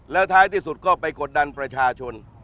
แล้วท้ายที่สุดก็ไปกดดันประชาชน